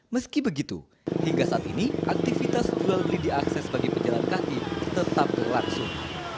meski begitu hingga saat ini aktivitas jual beli diakses bagi pejalan kaki tetap berlangsung